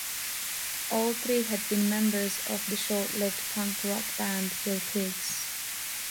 All three had been members of the short-lived punk rock band Kill Pigs.